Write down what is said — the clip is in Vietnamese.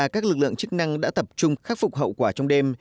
các lực lượng chức năng đã tập trung khắc phục hậu quả trong đêm